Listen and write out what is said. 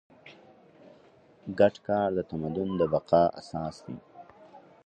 ګډ کار د تمدن د بقا اساس دی.